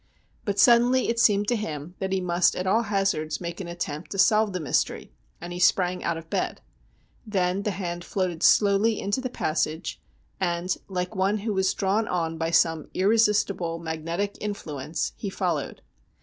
But suddenly it seemed to him that he must at all hazards make an attempt to solve the mystery, and he sprang out of bed. Then the hand floated slowly into the passage, and, like one who was drawn on by some irresistible, magnetic 182 STORIES WEIRD AND WONDERFUL influence, he followed.